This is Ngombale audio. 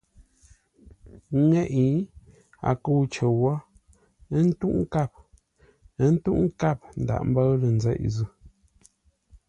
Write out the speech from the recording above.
Ŋeʼe, a kə̂u cər wó ə́ tə́uʼ nkâp, ə́ ntə́uʼ nkâp ńdághʼ ḿbə́ʉ lə̂ nzeʼ.